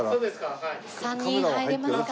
３人入れますか？